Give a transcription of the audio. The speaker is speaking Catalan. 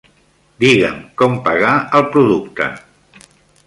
Digue'm com pagar el producte.